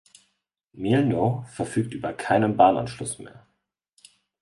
Mielno verfügt über keinen Bahnanschluss mehr.